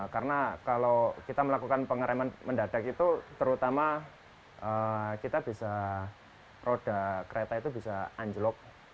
karena kalau kita melakukan pengereman mendadak itu terutama kita bisa roda kereta itu bisa anjlok